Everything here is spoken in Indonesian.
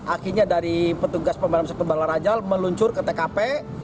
akhirnya dari petugas pemadam sektor belaraja meluncur ke tkp